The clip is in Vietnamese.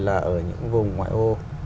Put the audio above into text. là ở những vùng ngoại ô